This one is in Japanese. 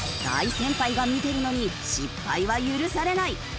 大先輩が見てるのに失敗は許されない！